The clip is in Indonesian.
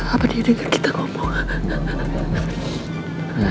apa dia denger kita ngomong